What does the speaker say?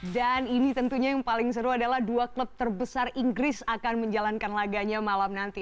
dan ini tentunya yang paling seru adalah dua klub terbesar inggris akan menjalankan laganya malam nanti